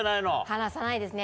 離さないですね